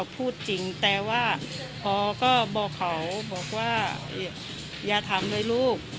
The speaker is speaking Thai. พอก็บอกเขาอย่าทำเลยลูก